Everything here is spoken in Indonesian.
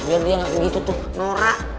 biar dia nggak begitu tuh norak